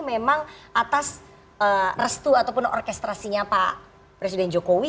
memang atas restu ataupun orkestrasinya pak presiden jokowi